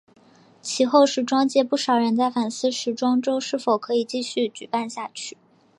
及后时装界不少人在反思时装周是否可以继续举办下去。